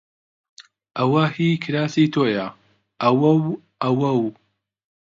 ئەوە هیی کراسی تۆیە! ئەوە و ئەوە و